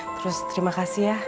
terus terima kasih ya